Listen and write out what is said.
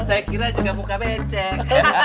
saya kira juga muka becek